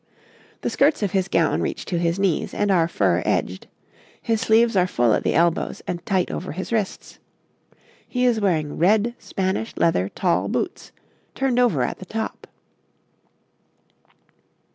The skirts of his gown reach to his knees, and are fur edged; his sleeves are full at the elbows and tight over his wrists; he is wearing red Spanish leather tall boots, turned over at the top.